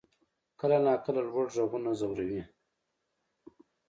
کله ناکله لوړ غږونه ځوروي.